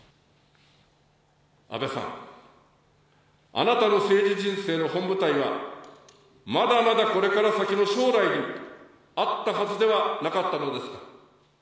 安倍さん、あなたの政治人生の本舞台は、まだまだこれから先の将来にあったはずではなかったのですか。